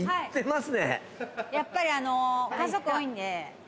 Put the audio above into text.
やっぱり。